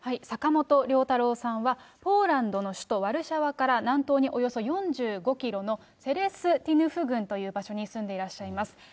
坂本龍太朗さんはポーランドの首都ワルシャワから、南東におよそ４５キロのツェレスティヌフ郡という場所に住んでらっしゃいます。